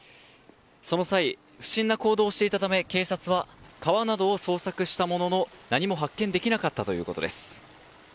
その際不審な行動をしていたため警察は川などを捜索したものの何も発見できなかったということです。